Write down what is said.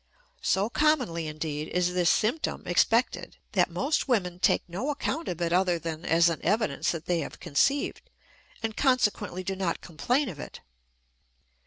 So commonly, indeed, is this symptom expected that most women take no account of it other than as an evidence that they have conceived, and consequently do not complain of it.